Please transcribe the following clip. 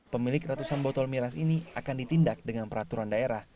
pemilik ratusan botol miras ini akan ditindak dengan peraturan daerah